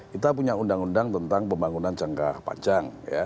kita punya undang undang tentang pembangunan jangka panjang